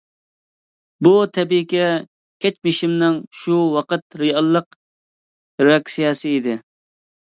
بۇ تەبىئىيكى كەچمىشىمنىڭ شۇ ۋاقىت رېئاللىق رېئاكسىيەسى ئىدى.